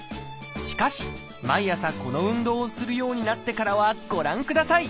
しかし毎朝この運動をするようになってからはご覧ください！